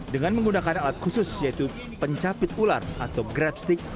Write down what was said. dengan menggunakan alat khusus yaitu pencapit ular atau grab stick